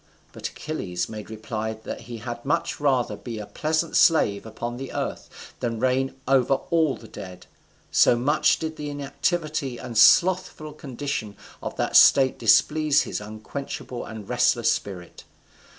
But Achilles made reply that he had much rather be a peasant slave upon the earth than reign over all the dead. So much did the inactivity and slothful condition of that state displease his unquenchable and restless spirit.